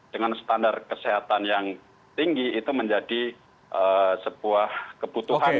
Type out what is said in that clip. dengan standar kesehatan yang tinggi itu menjadi sebuah kebutuhan